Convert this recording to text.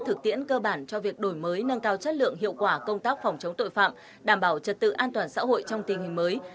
thực tiễn cơ bản cho việc đổi mới nâng cao chất lượng hiệu quả công tác phòng chống tội phạm đảm bảo trật tự an toàn xã hội trong tình hình mới